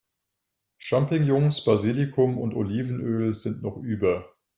Champignons, Basilikum und Olivenöl sind noch über.